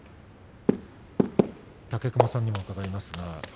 武隈さんに伺います。